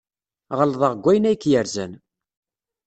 Ɣelḍeɣ deg wayen ay k-yerzan.